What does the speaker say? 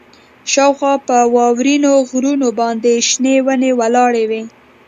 شاوخوا په واورینو غرونو باندې شنې ونې ولاړې وې